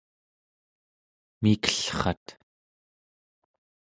mikellrat